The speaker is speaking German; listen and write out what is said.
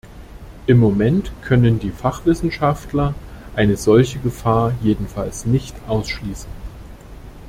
Im Moment können die Fachwissenschaftler eine solche Gefahr jedenfalls nicht ausschließen.